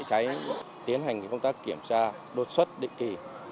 thì chúng tôi tiến hành công tác kiểm tra đột xuất định kỳ